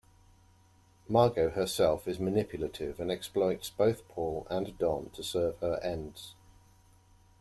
Margo herself is manipulative and exploits both Paul and Don to serve her ends.